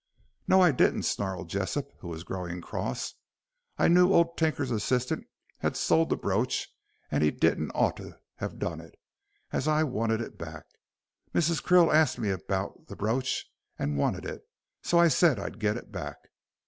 "No, I didn't," snarled Jessop, who was growing cross. "I knew old Tinker's assistant had sold the brooch and he didn't oughter t' have done it, as I wanted it back. Mrs. Krill asked me about the brooch, and wanted it, so I said I'd get it back.